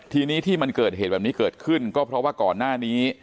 ทีนี้ที่มันเกิดเหตุแบบนี้เกิดขึ้นก็เพราะว่าก่อนหน้านี้